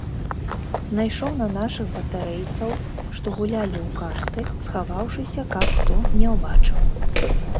Найшоў на нашых батарэйцаў, што гулялі ў карты, схаваўшыся, каб хто не ўбачыў.